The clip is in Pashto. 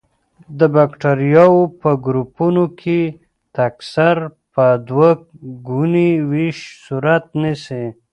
د بکټریاوو په ګروپونو کې تکثر په دوه ګوني ویش صورت نیسي.